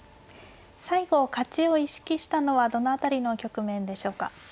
最後勝ちを意識したのはどの辺りの局面でしょうか。